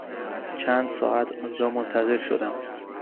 چند ساعت آنجا منتظر شدم.